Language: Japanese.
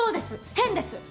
変です！